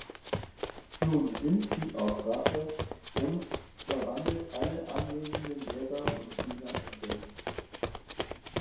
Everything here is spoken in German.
Nun sinnt sie auf Rache und verwandelt alle anwesenden Lehrer und Schüler in Babys.